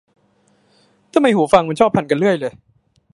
ทำไมหูฟังมันชอบพันกันเรื่อยเลย